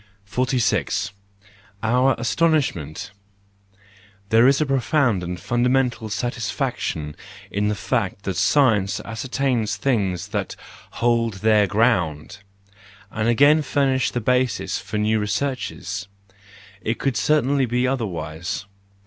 46 . Our Astonishment .—There is a profound and fundamental satisfaction in the fact that science ascertains things that hold their ground , and again furnish the basis for new researches:—it could certainly be otherwise.